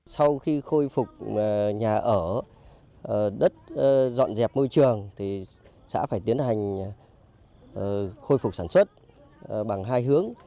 sau khi khôi phục nhà ở đất dọn dẹp môi trường thì xã phải tiến hành khôi phục sản xuất bằng hai hướng